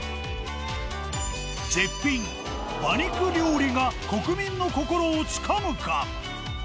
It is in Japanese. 絶品馬肉料理が国民の心をつかむか？